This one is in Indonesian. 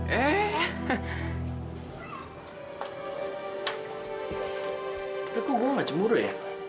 tapi kok gua gak cemburu ya